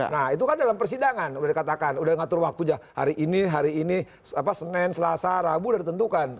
nah itu kan dalam persidangan udah dikatakan udah ngatur waktu aja hari ini hari ini senin selasa rabu udah ditentukan